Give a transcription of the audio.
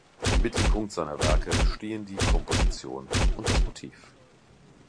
Im Mittelpunkt seiner Werke stehen die Komposition und das Motiv.